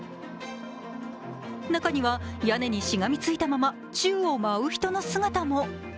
中には屋根にしがみついたまま宙を舞う人の姿も。